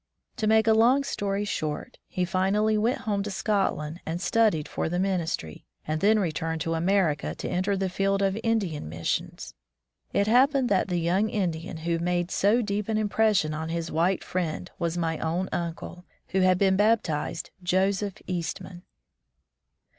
To make a long story short, he finally went home to Scotland and studied for the min istry, and then returned to America to enter the field of Indian missions. It happened that the young Indian who made so deep an impression on his white friend was my own uncle, who had been baptized Joseph Eastman.